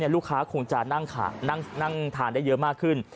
ลูกค้าคงจะนั่งทานได้เยอะมากขึ้น